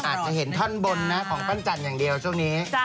อาจจะเห็นท่อนบนนะของปั้นจันทร์อย่างเดียวช่วงนี้